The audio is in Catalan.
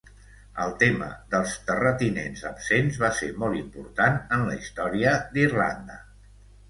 El tema dels terratinents absents va ser molt important en la història d'Irlanda.